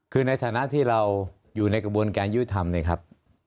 คือในฐานะที่เราอยู่ในกระบวนการยุทธรรมเนี่ยครับ